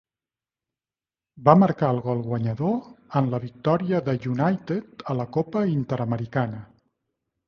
Va marcar el gol guanyador en la victòria de United a la Copa Interamericana.